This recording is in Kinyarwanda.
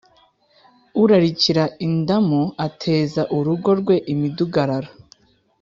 urarikira indamu ateza urugo rwe imidugararo,